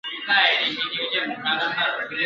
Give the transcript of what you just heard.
یوه ورخ توتکۍ والوته دباندي !.